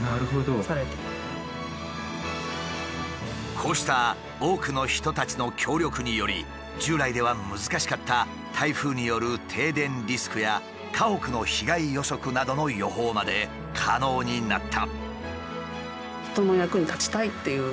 こうした多くの人たちの協力により従来では難しかった台風による停電リスクや家屋の被害予測などの予報まで可能になった。